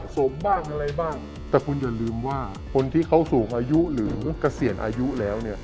สมบ้างอะไรบ้างแต่คุณอย่าลืมว่าคนที่เขาสูงอายุหรือเกษียณอายุแล้วเนี่ย